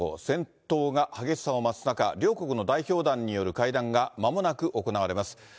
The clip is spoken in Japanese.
戦闘が激しさを増す中、両国の代表団による会談が、まもなく行われます。